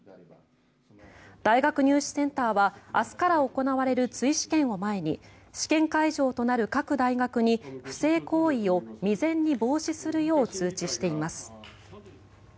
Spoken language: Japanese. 大学入試センターは明日から行われる追試験を前に試験会場となる各大学に不正行為を未然に防止するよう通知しています。